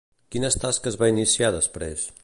Quines tasques va iniciar després?